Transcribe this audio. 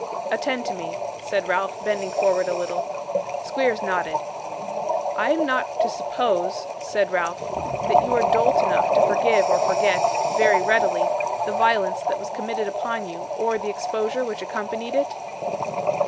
'Attend to me,' said Ralph, bending forward a little. Squeers nodded. 'I am not to suppose,' said Ralph, 'that you are dolt enough to forgive or forget, very readily, the violence that was committed upon you, or the exposure which accompanied it?